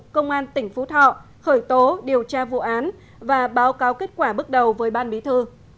công an tỉnh phú thọ khởi tố điều tra vụ án và báo cáo kết quả bước đầu với ban bí thư